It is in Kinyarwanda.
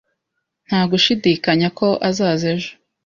Nta gushidikanya ko azaza ejo?